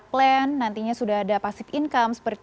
plan nantinya sudah ada pasif income